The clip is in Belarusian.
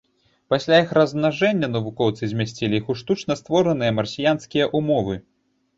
Пасля іх размнажэння навукоўцы змясцілі іх у штучна створаныя марсіянскія ўмовы.